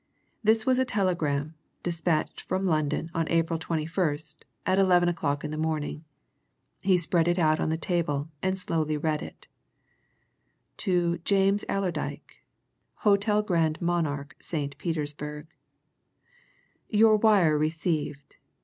This was a telegram, dispatched from London on April 21st, at eleven o'clock in the morning. He spread it out on the table and slowly read it: "To James Allerdyke, Hotel Grand Monarch, St. Petersburg. "Your wire received.